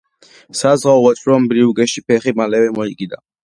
საზღვაო ვაჭრობამ ბრიუგეში ფეხი მალევე მოიკიდა.